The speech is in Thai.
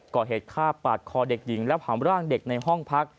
ก่อเหตุฆ่าปาดคอเด็กหญิงและผำร่างเด็กในห้องพัก